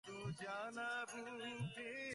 তার ডুবুরি সাথী তাকে টেনে চেম্বার তিনে নিয়ে গিয়েছিল।